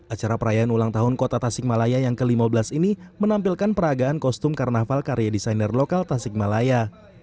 acara perayaan ulang tahun kota tasikmalaya yang ke lima belas ini menampilkan peragaan kostum karnaval karya desainer lokal tasikmalaya